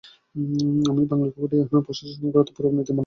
আমি বাংলা উইকিপিডিয়ার প্রশাসক-সংক্রান্ত পুরো নীতিমালাই বদলে ফেলতে চাচ্ছি না।